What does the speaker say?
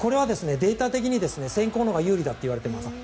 データで言うと先攻のほうが有利だといわれていますね。